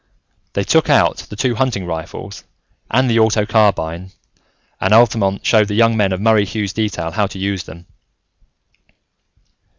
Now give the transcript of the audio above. They took out the two hunting rifles and the auto carbines, and Altamont showed the young men of Murray Hughes' detail how to use them.